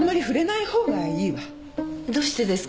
どうしてですか？